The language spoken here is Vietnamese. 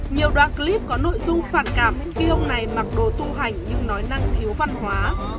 nhiều đoạn clip có nội dung phản cảm khi ông này mặc đồ tung hành nhưng nói năng thiếu văn hóa